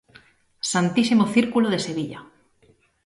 Santísimo Círculo de Sevilla.